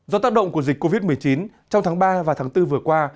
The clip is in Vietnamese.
do tác động của dịch covid một mươi chín trong tháng ba và tháng bốn vừa qua